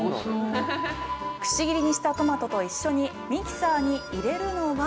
くし切りにしたトマトと一緒にミキサーに入れるのは。